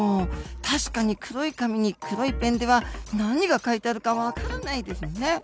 確かに黒い紙に黒いペンでは何が書いてあるか分からないですよね。